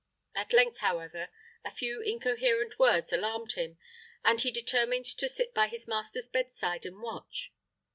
At length, however, a few incoherent words alarmed him, and he determined to sit by his master's bedside and watch.